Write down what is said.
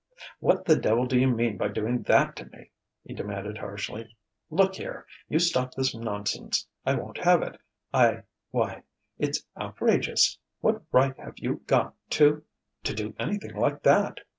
"What the devil do you mean by doing that to me?" he demanded harshly. "Look here you stop this nonsense. I won't have it. I why it's outrageous! What right have you got to to do anything like that?"